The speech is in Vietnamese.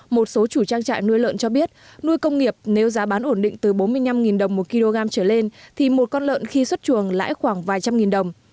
một số chủ trang trại nuôi lợn cho biết nuôi công nghiệp nếu giá bán ổn định từ bốn mươi năm đồng một kg trở lên thì một con lợn khi xuất chuồng lãi khoảng vài trăm nghìn đồng